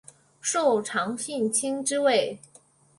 受长信卿之位。